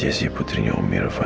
iya jessy putrinya om irfan